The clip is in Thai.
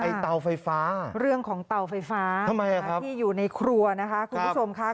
ไอ้เตาไฟฟ้าเรื่องของเตาไฟฟ้าที่อยู่ในครัวนะคะคุณผู้ชมค่ะ